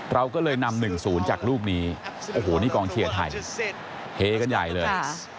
เราก็เลยนำ๑๐จากลูกนี้โอ้โหนี่กองเชียร์ไทยเฮกันใหญ่เลย